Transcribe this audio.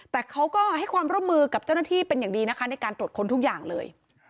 แต่เขาก็ให้ความร่วมมือกับเจ้าหน้าที่เป็นอย่างดีนะคะในการตรวจค้นทุกอย่างเลย